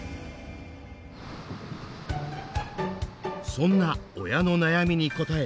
そんな親の悩みに応え